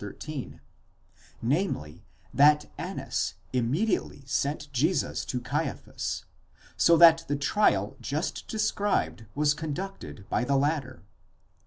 13, namely, that Annas immediately sent Jesus to Caiaphas, so that the trial just described was con ducted by the latter.